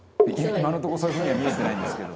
今のとこそういう風には見えてないんですけど」